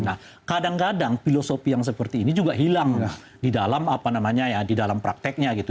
nah kadang kadang filosofi yang seperti ini juga hilang di dalam apa namanya ya di dalam prakteknya gitu